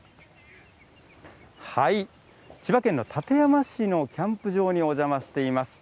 千葉県の館山市のキャンプ場にお邪魔しています。